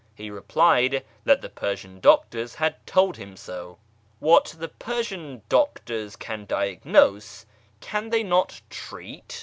He replied that the Persian doctors had told him so. " What the Persian doctors can diagnose, can they not treat